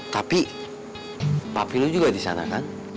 tapi papi lu juga disana kan